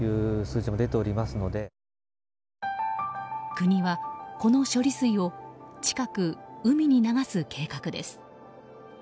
国は、この処理水を近く海に流す計画です。